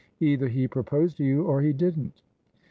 Either he proposed to you, or he didn't."